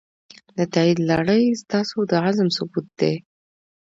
د تایید لړۍ ستاسو د عزم ثبوت دی.